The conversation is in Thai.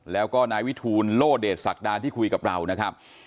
แล้วก็นายวิทูลโลเดชศักดาที่คุยกับเรานะครับ